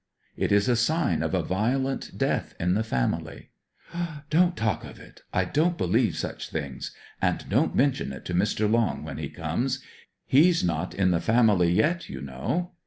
'It is a sign of a violent death in the family.' 'Don't talk of it. I don't believe such things; and don't mention it to Mr. Long when he comes. He's not in the family yet, you know.'